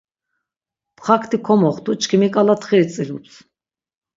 Txakti komoxtu, çkimi k̆ala txiri tzilups.